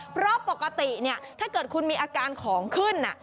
เพราะปกติถ้าเกิดคุณมีอาการของขึ้น